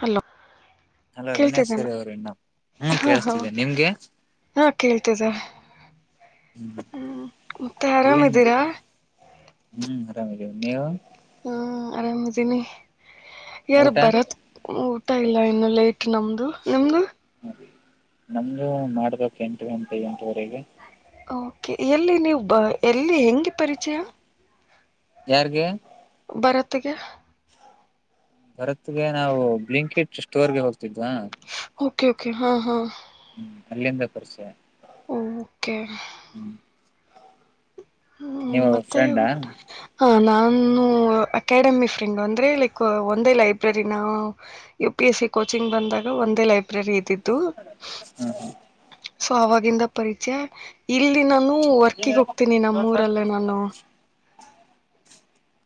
Hello ಅಲ್ಲ ಅವಿನಾಶ್ ಕೇಳ್ತಿದ್ದಾನ ಸರಿ ಅವರು ಇನ್ನ ಹ್ಮ್ ಹ ಹ ಕೇಳಿಸ್ತಿದ್ದೆ ನಿಮ್ಗೆ ಹ್ಮ್ ಹಾ ಕೇಳ್ತಿದ್ದ ಹ್ಮ ಮತ್ತೆ ಎಲ್ಲಿಂದ ಆರಾಮಿದ್ದೀರಾ ಹ್ಮ್ ಆರಾಮದೇವ ನೀವು ಹ್ಮ ಆರಾಮದಿನ ಯಾರು ಊಟ ಬರತ್ ಊಟ ಇಲ್ಲ ಇನ್ನು ಲೇಟ್ ನಮ್ದು ನಮ್ದು ನಮ್ದು ಮಾಡಬೇಕಕ್ ಎಂಟು ಎಂಟು ಎಂಟುವರೆಗೆ ಓಕೆ ಎಲ್ಲಿ ನೀವು ಬ ಎಲ್ಲಿ ಹೆಂಗೆ ಪರಿಚಯ ಯಾರ್ಿಗೆ ಭಾರತಗೆ ಭರತ್ಗೆ ನಾವು ಬ್ಲಿಂಕೆಟ್ ಸ್ಟೋರ್ಗೆ ಹೋಗ್ತಿದ್ವಾ ಓಕೆ ಓಕೆ ಹಾ ಹಾ ಹ್ಮ್ ಅಲ್ಲಿಂದ ಪರಿಚಯ ಓಕೆ ಹ್ಮ್ ಹ್ಮ್ ನೀವು ಮತ್ತೆ ಫ್ರೆಂಡಾ ಊಟ ಹಾ ನಾನು ಅಕಾಡೆಮಿ ಫ್ರೆಂಡ್ ಅಂದ್ರೆ ಲೈಕ್ ಒಂದೇ ಲೈಬ್ರರಿ ನಾವು U P S C coaching ಬಂದಾಗ ಒಂದೇ ಲೈಬ್ರರಿ ಇದಿದ್ದು ಹ್ಮ ಹ ಸೊ ಅವವಾಗಿಂದ ಪರಿಚಯ ಇಲ್ಲಿ ನಾನು ಹ ವರ್ಕಿಿಗೆ ಹೋಗ್ತೀನಿ ನಮ್ಮೂರಲ್ಲೇ ನಾನು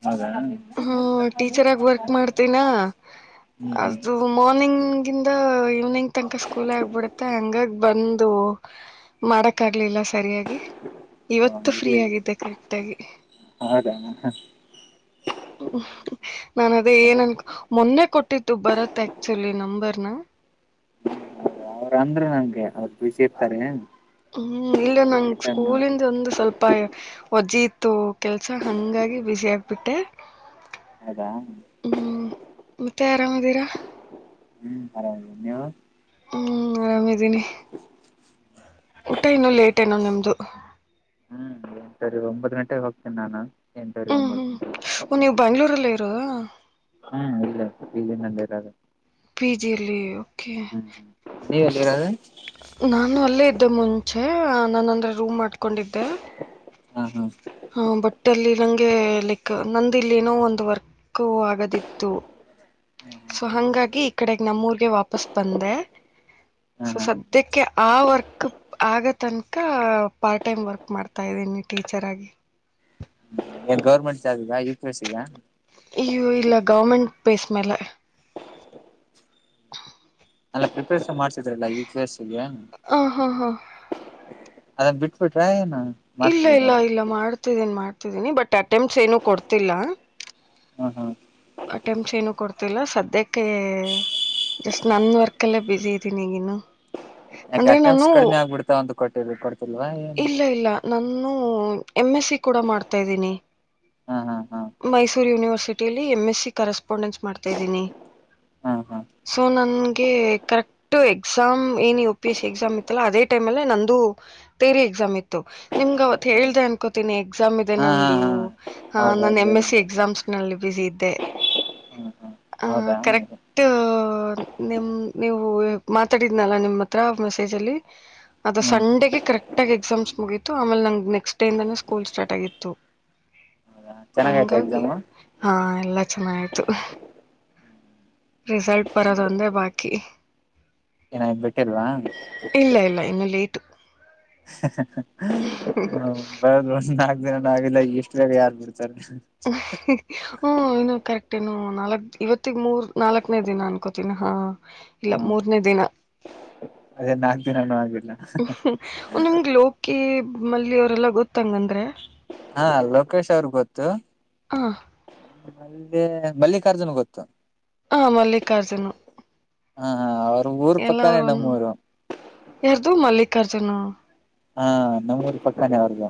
ಹೌದಾ ಹ್ಮ್ ಹ್ಮ ಟೀಚರ್ ಆಗ ವರ್ಕ್ ಮಾಡ್ತನಾ ಹ್ಮ್ ಅದು ಮಾರ್ನಿಂಗ್ ಹಂದ ಈವ್ನಿಂಗ್ ತನಕ ಸ್ಕೂಲ್ ಆಗ್ಬಿಡುತ್ತೆ ಹಂಗಾಗ ಬಂದು ಮಾಡಕ್ ಆಗ್ಲಿಲ್ಲ ಸರಿಯಾಗಿ ಇವತ್ತು ಫ್ರೀ ಇರ್ಲಿ ಆಗಿದ್ದೆ ಕರೆಕ್ಟ್ ಆಗಿ ಹಸ್ ್ಮ ನಾನ ಅದೇ ಏನನ್ ಮೊನ್ನೆ ಕೊಟ್ಟ ಬರತ್ತತ್ ಆಕ್ಚುಲಿ ನಂಬರ್ನ ಅವ್ರ ಅಂದ್ರರು ನಂಗೆ ಅವ್ರ ಬಿಸಿಿ ಇರ್ತಾರೆ ಹ್ಮ್ ಇಲ್ಲ ನಂ ಸ್ಕೂಲಿಂದ ಒಂದು ಸ್ವಲ್ಪ ವಜ್ಜಿ ಇತ್ತು ಕೆಲ್ಸ ಹಂಗಾಗಿ ಬ್ಯುಿಸಿಿ ಆಗ್ಬಿಟ್ಟೆ ಹೌದಾ ಹ್ಮ್ ಮತ್ತೆ ಆರಾಮದೀರಾ ಹ್ಮ್ ಆರಾಮ ನೀವ ಹ್ಮ ಆರಾಮಿದ್ದೀನಿ ಊಟ ಇನ್ನು ಲೇಟ್ ಏನುೋ ನಿಮ್ದು ಹ್ಮ್ ಏನ್ ಸರಿ ಒಂಬತ್ ಗಂಟೆಗೆ ಹೋಗ್ತೇನಿ ನಾನು ಎಂಟರಿ ಹ್ಮ್ ಒಂಬತ್ತು ಹ್ಮ್ ಗಂಟೆ ಒ್ ನೀವು ಬೆ್ಯಾಂಗ್ಳೂರಲ್ಲಿ ಹ ಹ್ಮ ಇಲ್ಲ ಇಲ್ಲಿ ನಂದ ಇರ ಪಿಜಿಲಿ ಓಕೆ ನೀವು ಎಲ್ಲಿಗರೆ ನಾನು ಅಲ್ಲೇ ಇದ್ದೆ ಮುಂಚೆ ನಾನ ಅಂದ್ರೆ ರೂಮ್ ಆಡ್ಕೊಂಡಿದ್ದೆ ಹಾ ಹಾ ಹಾ ಬಟ್ಟಲ್ಲಿ ನಂಗೆ ಲೈಕ್ ನಂದ ಇಲ್ಲಿ ಏನೋ ಒಂದು ವರ್ಕ್ ಆಗದಿತ್ತು ಸೊ ಹಂಗಾಗಿ ಈ ಕಡೆ ನಮ್ಮೂಗೆ ವಾಪಸ್ ಬಂದೆ ಹಾ ಸ ಹಾ ಸದ ಅದಕ್ಕೆ ಆ ವರ್ಕ್ ಆಗ ತನಕ ಪಾರ್ಟ್ ಟೈಮ್ ವರ್ಕ್ ಮಾಡ್ತಾ ಇದ್ದೀನಿ ಟೀಚರ್ ಆಗಿ ಏನ್ ಗೌರ್ಮೆಂಟ್ ಜಾರ್ಬ್್ ಈಗ ಯು ಕೆಿ ಎಸ್ಗಾ ಅಯ್ಯೋ ಇಲ್ಲ ಗೌರ್ಮೆಂಟ್ ಪ್ಲೇಸ್ ಮೇಲೆ ಎಲ್ಲ ಪ್ರಿಪರೇಷನ್ ಮಾಡ್ ಲ್ಲ ಕೆ ಸಿ ಹ ಹಾ ಹಾ ಅದನ್ ಬಿಟ್ಬ ಬಿಟ್ರ ಏನು ಇಲ್ಲ ಮಾಡ್ತಿದೀರಾ ಇಲ್ಲ ಇಲ್ಲ ಮಾಡ್ತಿದ್ದೇನ್ ಮಾಡ್ತ ಬಟ್ ಅಟೆಂಪ್ಟ್ಸ್ ಏನುೂ ಕೊಡ್ತಿಲ್ಲ ಹ್ಮ ಹ್ಮ ಅಟೆಂಪ್ಟ್ಸ್ ಏನುೂ ಕೊಡ್ತಿಲ್ಲ ಸದ್ಯಕ್ಕೆ ಜಸ್ಟ್ ನನ್ನ ವರ್ಕ್ಲ್ಲೇ ಬ್ಯುಿಸಿ ಇದ್ದೀನಿಗನ್ನು ಯಾಕೆ ಅಟೆಂಪಪ್್ಸ್ ಕಡಿಮೆ ಆಗ್ಬಿಡ್ತಾವ ಅಂತ ಕೊಟ್ಟ ಕೊಡ್ತಿಲ್ವಾ ಏನ್ ಇಲ್ಲ ಇಲ್ಲ ನಾನು ಎಮ್ ಎಸ್ ಸಿ ಕೂಡ ಮಾಡ್ತಾ ಇದ್ದೀನಿ ಹಾ ಹಾ ಹಾ ಮೈಸೂ ಯನಿವರ್ಸಿಟಿಲ್ಲಿ ಎಮ ಎಸ್ ಕಸ್ಪಾಂಡೆನ್ ಮಾಡ್ತಾ ಹಾ ಹಾ ನ ಕರೆಕ್ ಎ ನ ತೇರಿ ಎಕ್ಸಾಮ್ ಇತ್ತು ನಿಮ ಅವ ಹೇಳ ಅಕನ ಇ ಹಾ ಹಾ ಹಾ ನ ನಾನು ಹೌದೌದು ಎಂ ಎಸ್ ಸಿ ಹೇಳಿದ್ರು ಎಕ್ಸಾಮ್ಸ್ ನಲ್ಲಿ ಬಿಸಿ ಇದ್ದೆ ಹ್ಮ್ ಹ್ಮ್ ಹ ಹೌದಾ ಹ್ಮ್ ಕರೆಕ್ಟ್ ನಿ ನೀವು ಮಾತಾಡಿದ್ನಲ್ಲ ನಿಮ್ಮ್ ಹತ್ರ ಮೆಸೇಜ್ ಅಲ್ಲಿ ಅದು ಸಂಡಗೆ ಕರೆಕ್ಟ್ ಆಗ ಎಕ್ಸಾಮ್ಸ್ ಮುಗತು ಆಮೇಲೆ ನಂ ನೆಕ್ಸ್ಟ್ ಡೇಂದ ಸ್ಕೂಲ್ ಸ್ಟಾರ್ಟ್ ಆಗಿ ಚೆನ್ನಾಗ ಆಯ್ತಾ ಎಕ್ಸಾಮ ಎಲ್ಲ ಚೆನ್ನ ಆ್ತು ರಿಸಲ್ಟ್ ಬರೋದ ಅಂದ್ರೆ ಬಾಕಿ ಚೆನಾಗ ಬಿಟ್ಟಿಲ್ವಾ ಪ್ೇಟ್ು ಹ ಹ ಬ ಬಸ್ ನ ಆಲ್ಲ ಎಷ್ಟುಾಗ ಯಾರ್ು ಬಿ ಸರಿ ಹ್ಮ ಇನ್ನು ಕರೆಕ್ಟ್ ನು ನಾಲ್ಕ್ ಇವತ್ತಗ್ ಮೂರ್ ನಾಲ್ಕ್ನೇ ದಿನ ಅನ್ಕೋತೀಿನಿ ಹಾ ಇಲ್ಲ ಹ್ಮ ಮೂರ್ನೇ ದಿನ ಅದೇ ನಾಕಕ್ ದಿನಾನೂ ಆಗು ್ಮ ಒಲ ಅಕ್ಕಿ ಮಲ್ಲಿ ಅವರೆಲ್ಲ ಗೊತ್ತಂಗಂದ್ರೆ ಹಾ ಲೋಕೇಶ್ ಅವ್ರ ಗೊತ್ತು ಹಂ ಅಲ್ಲಿೇ ಮಲ್ಲಿಕಾರ್ಜುನ್ ಗೊತ್ತು ಹಾ ಮಲ್ಲಿಕಾರ್ಜುನು ಹಾ ಹಾ ಅವ ಊರ್ ಪಕ್ಕಾನ ಎ್ಣಮ್ಮಊರ ಅದು ಮಲ್ಲಿಕಾರ್ಜುನ್ ಹಾ ನಮ್ಮೂರಿ ಪಕ್ಕಾನ ಅವ್ರಗ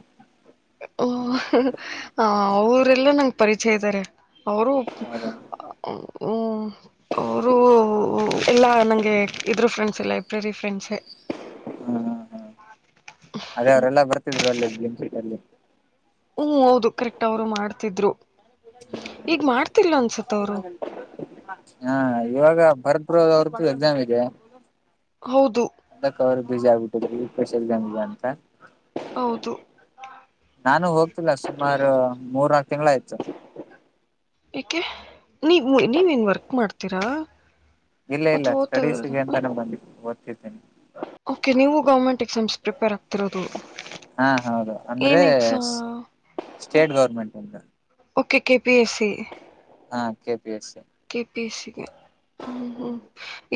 ಹ ಅವರೆಲ್ಲ ನಂಗೆ ಪರಿಚಯ ಇದ್ದಾರೆ ಅವರು್ಮ ಹೌದು ಹಾ ಅವರು ಎಲ್ಲಾ ನಂಗೆ ಇದ್ರ ಫ್ರೆಂಡ್ಸ್ ಲೈಬ್ರರಿ ಫ್ರೆಂಡ್ಸ ಹಾ ಹಾ [unintelligible] ಅದೇ ಅವ್ರೆಲ್ಲಾ ಬರ್ತಿದ್ರು ಅಲ್ಲಿಲ್ಲಿ ಹ್ಮ್ ಹೌದು ಕರೆಕ್ಟ್ ಅವರು ಮಾಡ್ತಿದ್ರು ಈಗ್ ಮಾಡ್ತಿಲ್ಲಂತ ಹ್ಮ ಹಾಗ [unintelligible] ಹಾ ಇವಾಗ ಭರತ್ಪ್ ಅವ್ರದ್ದು ಎಕ್ಸಾಮ್ ಇದೆ ಹೌದು. ಅದಕ್ಕೆ ಅವ್ರ ಬಿಸಿ ಆಗ್ಬಿಟ್ಟ ಸ್ಪೆಷ ಎಕ್ಸಾಮ್ ಅಂತ ಹೌದು ನಾನು ಹೋಗಿ [unintelligible] ಸುಮಾರು ಮೂರ ತಿಂಾಯಚ [unintelligible] ಏಕೆ ನೀವ ನೀವೇನ್ ವರ್ಕ್ ಮಾಡ್ತೀರಾ ಇಲ್ಲ ಇಲ್ಲ ಅಥವಾ ಓದ್ತಾ ಇರೋದ ಸ್ಟಡೀಸ್ಗೆ ಅಂತಾನೆ ಬಂದಿ ಗ ತನೆ ಓಕೆ ನೀವು ಗೌರ್ಮೆಂಟ್ ಎಕ್ಸಾಮ್ಸ್ ಪ್ರಿಪೇರ್ ಆಗ್ತಿರೋದು ಹಾ ಹೌದು ಅಂದ್ರೆ ಏನು ಎಸ [unintelligible] ಸ್ಟೇಟ್ ಗೌರ್ಮೆಂಟ್ ಇಂದ okay K P S C ಹಾ ಕೇ ಕೆ ಪಿ ಎಸ್ಸಗೆ ಹ್ಮ ಹ್ಮ್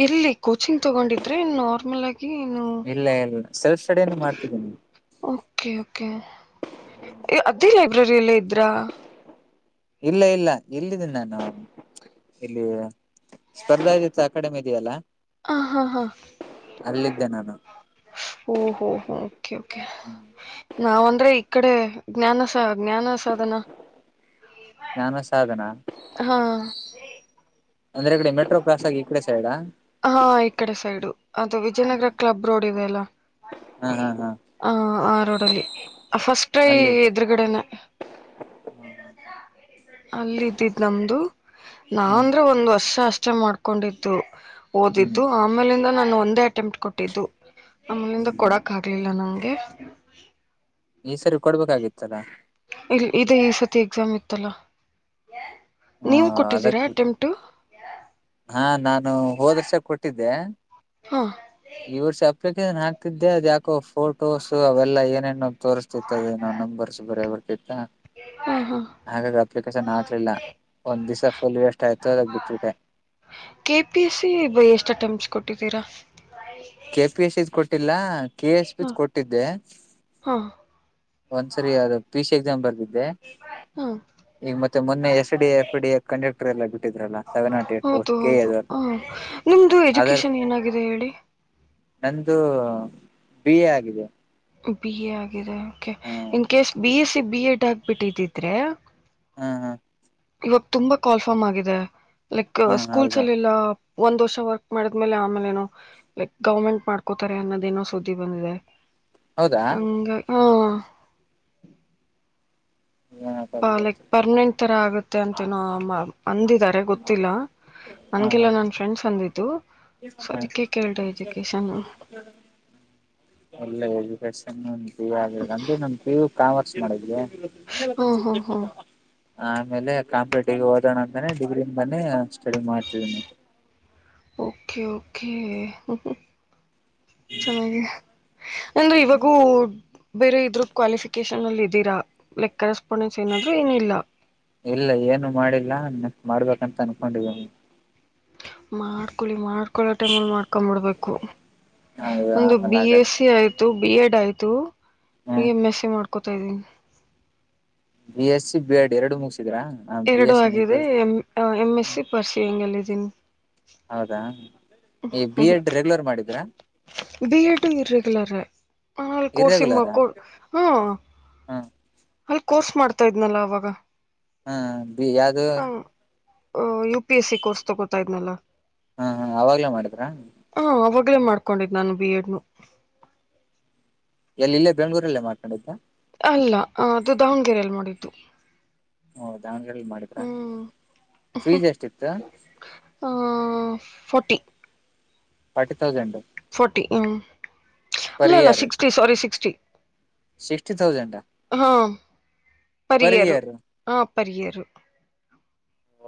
ಎಲ್ಲಿ [unintelligible] ಕೋಚಿಂಗ್ ತೊಗೊಂಡಿದ್ರೆ ನಾರ್ಮಲ್ ಆಗಿ ಏನು ಇಲ್ಲ ಇಲ್ಲ ಸೆಲ್ಫ್ ಸ್ಟಡ ಮಾಡ್ತಿದ್ದೀನಿ [unintelligible] ೆ ಅದ್ದೇ ಲೈಬ್ರರಿ ಎಲ್ಲ ಇದ್ರಾ ಇಲ್ಲ ಇಲ್ಲ ಎಲ್ಲಿದ್ದೇನಿ ನಾನು ಇಲ್ಲಿ ಸ್ಪರ್ಧಾಜಿತ ಅಕಾಡೆಮಿ ಇದೆಯಲ್ಲ ಹ ಹಾ ಹಾ ಅಲ್ಲಿದ್ದೆ ನಾನು ಓಹೋ ಹ್ಮ್ ನಾವ ಅಂದ್ರೆ ಈ ಕಡೆ [unintelligible] ಜ್ಞಾನಸ ಜ್ಞಾನ ಸಾಧನ ಜ್ಞಾನ ಸಾಧನ ಹಾ ಅಂದ್ರೆ ಕಡೆ ಮೆಟ್ರೋ ಕ್ರಾಸ್ ಆಗಿ ಈ ಕಡೆ ಸೈಡಾ ಹಾ ಈ ಕಡೆ ಸೈಡು ಅದು ವಿಜಯನಗರ ಕ್ಲಬ್ ರೋಡ್ [unintelligible] ಎಲ್ಲ ಹಾ ಹಾ ಹಾ ಹ ಆ ರೋಡಲ್ಲಿ ಫಸ್ಟ್ಐ ಅಲ್ಲಿ ಎದುರುಗಡೆನ [unintelligible] ಅಲ್ಲ ಇದ್ದಿದ್ ನಮ್ದು [unintelligible] ಹ್ಮ್ ನಾಂದ್ರ ಒಂದ್ ವರ್ಷ ಅಷ್ಟ ಇಷ್ಟ ಮಾಡ್ಕೊಂಡತ್ತು ಹ್ಮ್ ಓದಿದ್ದು ಆಮೇಲೆ ನಾನು ಒಂದೇ ಅಟೆಂಪ್ಟ್ ಕೊಟ್ಟಿದ್ದು ಆಮಲಿಂದ ಹ್ಮ್ ಕೊಡಕ್ ಆಗ್ಲಿಲ್ಲ ನಂ್ಗೆ ಈ ಸರಿ ಕೊಡ್ಬೇಕಾಗಿತ್ತಲ್ಲಾ ಇಲ್ ಇದೇ ಈ ಸತಿ ಎಕ್ಸಾಮ್ ಇತ್ತಲ್ಲ ಹಾ ನೀವು ಕೊಟ್ಟಿದ್ದೀರಾ ಅದಕ್ಟ ಅಟೆಂಪ್ಟು ಹಾ ನಾನು ಹೋದರ್ಷ ಕೊಟ್ಟಿದ್ದೆ ಹಾ ಈ ವರ್ಷ ಬಏನ್ ಹಾಕ್ತಿದ್ದೆ ಅದ ಯಾಕೋ ಫೋಟೋಸ್ ಅವೆಲ್ಲ ಏನೇನ ತೋರಿಸಸ್ತಿತ್ತುದ ನಂಬರ್ಸ್ ಬರ ಹಾ ಹಾ ಹಾಗಾಗಿ ಅಪ್ಲಿಕೇಶನ್ ಹಾಕ್ಲಿಲ್ಲ ಒಂದ್ ದಿವ್ಸ ಫುಲ್ ಎಷ್ಟ ಆಯ್ತು ಅದಕ್ಕೆ ಬಿಟ್ಬಿಟೆ ಕೊಟ್ಟಿದೀರ ಕೆ ಪಿ ಎಸ್ ಐಜ್ ಕೊಟ್ಟ ಕಟ್ಟಲ್ಲ ಕೆ ಎಸ್ ಪಿ ಹಾ ಕೊಟ್ಟಿದ್ದೆ ಹಾ ಒಂದ್ಸರಿ ಅ ಪ ಎಕ್ಸಾಮ ಬರ್ ಹಾ ಈಗ ಮತ್ತೆ ಮೊನ್ನೆ S D F D conductor ಎಲ್ಲ ಬಿಟ್ಟಿದ್ರಲ್ಲ ಸೆವೆನ್ ನಂಿ ಏ ಪೋಸ್ಟ್ ಹೌದು ಕೆ ಹೌದು ಹ ನಿಮ್ದು ಅರ್ ಎಜುಕೇಶನ್ ಏನಾಗಿದೆ ಹೇಳಿ ನಂದು ಬಿ ಎ ಆಗಿದೆ ಬಿ ಎ ಆಗಿದೆ ಕೆ ಹ್ಮ್ in case B S C B Ed ಆಗ್ಬಿಟ್ಟಿದಿದ್ರೆ ಹಾ ಹಾ ಇವಾಗ ತುಂಬಾ ಕಾಲ್ಫಾರ್ಮ್ ಆಗಿದೆ ಲೈಕ್ ಹ್ಮ್ ಸ್ಕೂಲ್ಸ್ ಹೌದಾ ಅಲ್ಲೆಲ್ಲ ಒಂದ್ ವರ್ಷ ವರ್ಕ್ ಮಾಡಿದ್ಮೇಲೆ ಆಮೇಲೆ ಏನೋ ಲೈಕ್ ಗೌರ್ಮೆಂಟ್ ಮಾಡ್ಕೋತಾರೆ ಅನ್ನೋದೇನೋ ಸುದ್ದಿ ಬಂದಿದೆ ಹೌದಾ ಹಂಗ ಹಾ ಏನಪ್ಪ ಅದು ಪ ಲೈಕ್ ಗೊತ್ತಿಲ್ಲ ಪರ್ಮನೆಂಟ್ ತರ ಆಗುತ್ತೆ ಮ ಅಂತ ನ ಅಂದಿದ್ದಾರೆ ಗೊತ್ತಿಲ್ಲ ನನ್ಗೆಲ್ಲಾ ಹ್ಮ್ ನನ್ ಫ್ರೆಂಡ್ಸ್ ಅಂದಿದ್ದುೊ ಹ್ಮ್ ಅದಕ್ಕೆ ಕೇಳಿದೆ ಎಜುಕೇಶನ್ ಒಳ್ಳೆ ಎಜುಕೇಶನ್ ಪಿಯು ಆಗಿರೋದು ಅಂದ್ರೆ ನನ್ ಪಿಯು ಕಾಮರ್ಸ್ ಮಾಡಿದವಿ ಈಗೆಲ್ಲ ಹ್ಮ್ ತನ್ಸಷ್ಟ ಹ್ಮ್ ಹ್ಮ್ ಹಾ ಆಮೇಲೆ ಕಾಂಪ್ಲೀಟ್ ಡಿಗ್ರಿ ಓದೋಣ ಅಂತಾನೆ ಡಿಗ್ರಿ ಬನ್ನಿ ಸ್ಟಡಿ ಮಾಡ್ತಿದೀನಿ ಓಕೆ ಕೆ ಚೆನ್ನಾಗಿ ಅಂದ್ರೆ ಇವಾಗೂ ಬೇರೆ ಇದ್ರ ಕ್ವಾಲಿಫಿಕೇಶನ್ ಅಲ್ಲಿ ಇದೀರಾ ಲೈಕ್ ಕರೆಸ್ಪಾಂಡೆನ್ಸ್ ಏನಾದ್ರು ಏನಿಲ್ಲ ಇಲ್ಲ ಏನು ಮಾಡಿಲ್ಲ ಮಾಡ್ಬೇಕಂತ ಅನ್ಕೊಂಡಿದೀವು ಮಾಡ್ಕಳಿ ಮಾಡ್ಕೊಳೋ ಟೈಮಲ್ಲಿ ಮಾಡ್ಕೊಂಬಿಡ್ಬೇಕು ಆಮೇಲೆ ಒಂದು ಬಿ ಆಗಲ್ಲ ಎಸ್ ಸಿ ಆಯ್ತು ಬಿ ಎಡ್ ಆಯ್ತು ಹ್ಮ್ ಬಿಎಂಎಸ್ ಮಾಡ್ಕೊತ ತ B S C B Ed ಎರಡು ಮು ಎರಡು ಆಗಿದ ಎಂ ಎಮ್ ಎಸ್ ಸಿ ಪರ್ಸಿ ಹೆಂಗಗೆಲ್ಲಿದ್ದೀ ಹೌದಾ ಈ ಬಿ ಹ್ಮ್ ಎಡ್ ರೆಗ್ಯುಲರ್ ಮಾಡಿದ್ರಾ ಬಿ ಎಡ್ ಇ್ರಗ್ಯುಲರ್ ಆನ ಕೋರ್ಸಿ ಇರ್ರೆಗ್ಯುಲರ್ ಮಕ್ಕ ಹ ಹ್ಮ ಹ ಅಲ್ಲಿ ಕೋರ್ಸ್ ಮಾಡ್ತಾ ಇದ್ನಲ್ಲ ಅವಾಗ ಹ್ಮ ಬಿ ಅದುು ಹ U P S C course ತಗೋತಾ ಇದ್ನಲ್ಲ ಹಾ ಹಾ ಅವಾಗ್ಲಾ ಮಾಡಿದ್ರಾ ಆಗ್ಲೇ ಮಾಡ್ಕೊಂಡಿದ್ ನಾನು ಬಿ ಎಡ್ನು ಎಲ್ಲಿಲ್ಲೇ ಬೆಂಳೂರಲ್ಲೇ ಮಾತನಾಡಿದ್ದಾ ಅಲ್ಲ ಅದು ದಾವಣಗೆರೆಯಲ್ಲಿ ಮಾಡಿದ್ದು ಹೌ ದಾವಣಗೆಲ್ಲಿ ಮಾಡಿದ್ರ ಹ್ಮ್ ಫೀಜ್ ಎಷ್ಟಿತ್ತು ಫೋರ್ಟಿ ಫಾರ್ಟಿ ತೌಸಂಡ್ ಫೋರ್ಟಿ ಹ್ಮ ಅಲ್ಲ ಪರ್ ಅಲ್ಲ year sixty sorry sixty sixty thousand ಹಾ ಪರಿಯರು ಇಯರ್ ಹ ಪರಿಯರು ಹ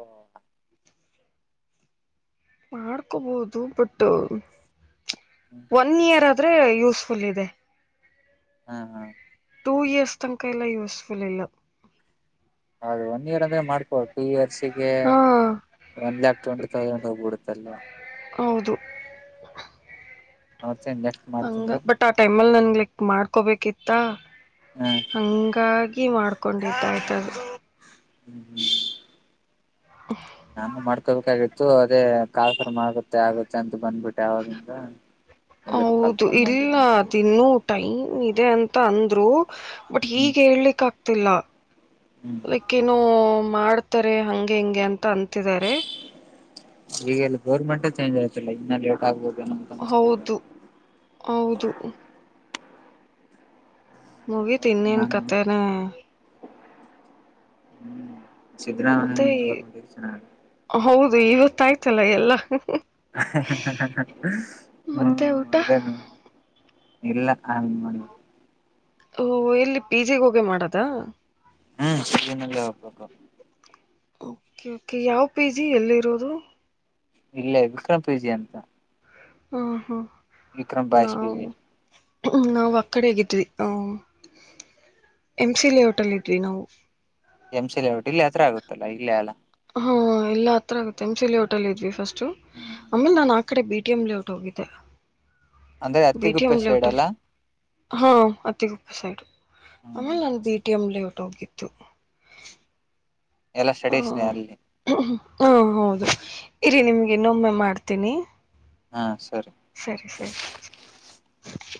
ಮಾಡ್ಕೋಬಹುದು ಬಟ್ ಒನ್ ಇಯರ್ ಅ ಆದ್ರೆ ಯೂಸ್ಫುಲ್ ಇದೆ ಹಾ ಹಾ ಟೂ ಇಯರ್ಸ್ ತನಕ ಎಲ್ಲ ಯೂಸ್ಫುಲ್ ಇಲ್ಲ ಹೌ ಒನ್ ಇಯರ್ ಮಾಡ್ಕೊ ಟೂ ಇಯರ್ಸಗೆ ಹಾ ಒನ್ ಲ್ಯಾಕ್ ಟ್ವೆಂಟಿ ತೌಸಂಡ್ ಹೋಗ್ಬಿಡುತ್ತಲ್ಲ ಹೌದು ಹ ಹಂಗ ಬಟ್ ಆ ಟೈಮ್ ಅಲ್ಲಿ ನನ್ ಸೆಲೆಕ್ಟ್ ಮಾಡ್ಕೋಬೇಕಿತ್ತ ಹ್ಮ ಹಂಗ ಕಿ ಮಾಡ್ಕೊಂಡಿರ್ತಾಯತದೆ ಹ್ಮ್ ಹ್ಮ್ ಹ ನಾನು ಮಾಡ್ಕೋಬೇಕಾಗಿತ್ತು ಅದೇ ಕರ್ಕರಮ ಆಗುತ್ತೆ ಆಗುತ್ತೆ ಅಂತ ಬಂದ್ಬಿಟ್ಟೆ ಆವಾಗಿಂದ ಇದ್ರ ಹೌದು ಕಾಲ್ಫರ್ಮ್ ಇಲ್ಲ ಆಗಿಲ್ಲ ಅದಿನ್ನೂ ಟೈಮ್ ಇ ಇದೆ ಅಂತ ಅಂದ್ರು ಬಟ್ ಹ್ಮ್ ಈಗ ಹೇಳ್ಲಿ ಕಾ ತ್ತಲ ಹ್ಮ್ ಲೈಕ್ಕೇನೊ ಮಾಡ್ತಾರೆ ಹಂಗೆ ಹಿಂಗೆ ಅಂತ ಅಂತಿದಿದ್ದಾರೆ ಈಗಲ್ಲಿ ಗೌರ್ಮೆಂಟೆ ಚೇಂಜ್ ಆಯ್ತಾಲ್ಲ ಇನ್ನ ಲೇಟ್ ಆಗ್ಬೋುದು ಹೌದು ಹೌದು ಅದೇ ಮುಗಿ ತ್ ನೋಡ್ತೀನಿ ಇನ್ನಿನ್ ನಾನು ಕತೆನೆ ಹ್ಮ್ ಮತ್ತೆ ಸಿದ್ದರಾಮಯ್ಯ ಗೌರ್ಮೆಂಟ್ ಚೆನ್ನಾಗಿ ಹೌದು ಇವತ್ತ ಆಯ್ತಲ್ಲ ಎಲ್ಲಾ ಹ್ಮ ಮತ್ತೆ ಊಟ? ಅದೇನು ಇಲ್ಲ ಹ ಮಾಡಿ ಓ ಎಲ್ಲಿ ಪಿಜೆಗ ಹೋಗೆ ಮಾಡದ ಹ್ಮ್ ಸಜನಲ್ಲೆ ಹೋಗ್ಬೇಕು ಓಕೆ ಓಕೆ ಯಾವ ಪಿ ಜಿ ಎಲ್ಲಿರೋದು ಇಲ್ಲ ವಿಕ್ರಂ ಪಿಜಿ ಅಂತ ಹಾ ಹಾ ವಿಕ್ರಂ ಬಾಯ್ಸ್ ಪಿಜಿ ಹ್ಮ ನಾವು ಅ ಕಡೆಗ್ ಇದ್ವಿ ಆ ಎಮ್ ಸಿ ಲೆಔಟಲ್ಲಿ ಇದ್ವಿ ನಾವು. ಎಂ ಸಿ ಲೆಔಟ್ಟು ಇಲ್ಲಿ ಹತ್ರ ಆಗುತ್ತಲ್ಲ ಇಲ್ಲೇ ಅಲ್ಲಾ ಹಾ ಎಲ್ಲ ಹತ್ರ ಆಗುತ್ತೆ ಎಂ ಸಿ ಲೇಔಟ್ಲ್ಲಿ ಇದ್ವಿ ಫಸ್ಟ್ ಹ್ಮ್ ಆಮೇಲ್ ನಾ ಈ ಕಡೆ ಬಿಟಿಎಂ ಲಔಟ್ ಹೋಗಿದ್ದೆ ಅಂದ್ರೆ B T M Attiguppe side ಲೆಔಟಲ್ಲಿ ಅಲ್ಲ ಹಾ ಅತ್ತಗುಪ್ಪ ಸೈಡು ಹ್ಮ್ ಆಮೇಲೆ ನಾನು ಬಿ ಟಿ ಎಂ ಲಔಟ್ ಹೊಗಿದ್ದು ಎಲ್ಲ ಸ್ಟಡೀಸ್ನೇ ಅಲ್ಲಿ ಹ್ಮ ಹೌದು ಇರಿ ನಿಮ್ಗೆ ಇನ್ನೊಮ್ಮೆ ಮಾಡ್ತೀನಿ ಹಾ ಸರಿ ಸರಿ ಸರಿ ಹ